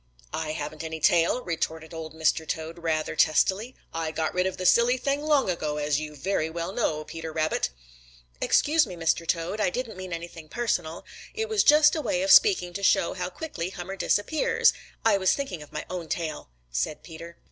"I haven't any tail," retorted Old Mr. Toad rather testily. "I got rid of the silly thing long ago, as you very well know, Peter Rabbit." "Excuse me, Mr. Toad. I didn't mean anything personal. It was just a way of speaking to show how quickly Hummer disappears. I was thinking of my own tail," said Peter.